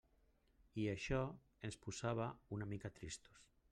I això ens posava una mica tristos.